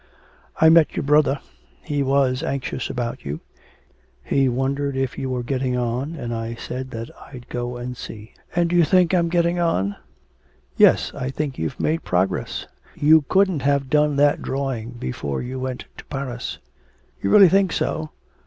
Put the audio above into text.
'I met your brother. He was anxious about you. He wondered if you were getting on and I said that I'd go and see.' 'And do you think I'm getting on?' Yes, I think you've made progress. You couldn't have done that drawing before you went to Paris.' 'You really think so....